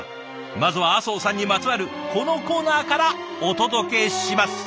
まずは阿相さんにまつわるこのコーナーからお届けします。